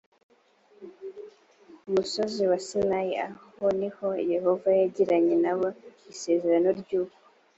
ku musozi wa sinayi aho ni ho yehova yagiranye na bo isezerano ry uko